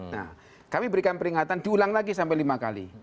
nah kami berikan peringatan diulang lagi sampai lima kali